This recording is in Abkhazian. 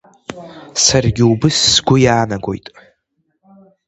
Саргьы убыс сгәы иаанагоит…